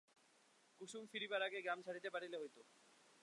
কুসুম ফিরিবার আগে গ্রাম ছাড়িতে পারিলে হইত।